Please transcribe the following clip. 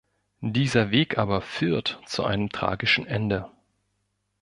Dieser Weg aber führt zu einem tragischen Ende.